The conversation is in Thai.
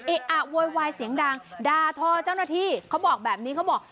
อะโวยวายเสียงดังดาทอเจ้าหน้าที่เขาบอกแบบนี้เขาบอก